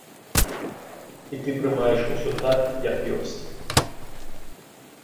І ты прымаеш усё так, як ёсць.